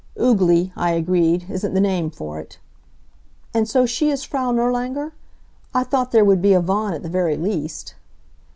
"Oogly," I agreed, "isn't the name for it. And so she is Frau Nirlanger? I thought there would be a Von at the very least."